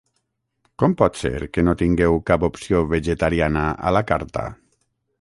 Com pot ser que no tingueu cap opció vegetariana a la carta?